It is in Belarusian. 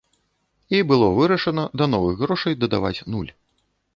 І было вырашана да новых грошай дадаваць нуль.